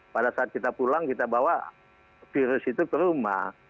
pada saat kita pulang kita bawa virus itu ke rumah